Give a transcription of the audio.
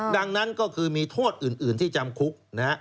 ดังนั้นก็คือมีโทษอื่นที่จำคุกนะฮะ